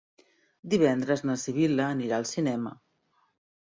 Divendres na Sibil·la anirà al cinema.